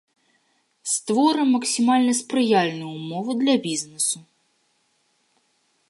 Створым максімальна спрыяльныя ўмовы для бізнесу.